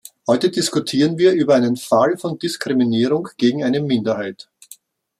Heute diskutieren wir über einen Fall von Diskriminierung gegen eine Minderheit.